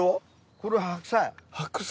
これは白菜。